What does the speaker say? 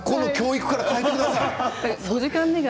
先生、学校の教育から変えてください。